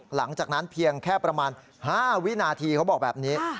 หลังจากนั้นเพียงแค่ประมาณ๕วินาทีเขาบอกแบบนี้